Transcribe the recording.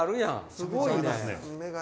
すごいね。